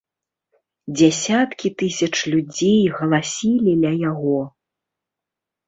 Дзясяткі тысяч людзей галасілі ля яго.